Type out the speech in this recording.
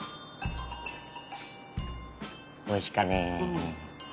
おいしかね。